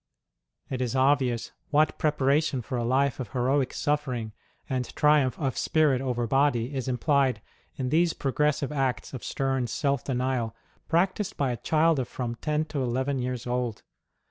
It is obvious what preparation for a life of heroic suffering, and triumph of spirit over body, is implied in these progressive acts of stern self denial practised by a child of from ten to eleven yeais old.